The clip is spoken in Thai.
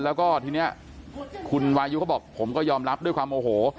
แล้วก็ทีนี้คุณวายุเขาบอกผมก็ยอมรับด้วยความโอโห